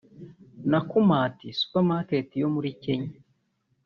Nakumatt Supermarket yo muri Kenya